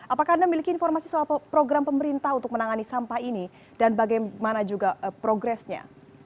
apakah anda memiliki informasi soal program pemerintah untuk menangani sampah ini dan bagaimana juga progresnya